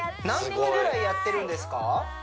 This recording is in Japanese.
何分ぐらいやってるんですか？